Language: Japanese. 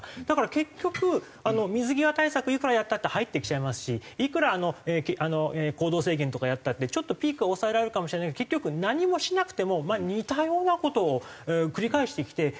だから結局水際対策いくらやったって入ってきちゃいますしいくら行動制限とかやったってちょっとピークは抑えられるかもしれないけど結局何もしなくても似たような事を繰り返してきて。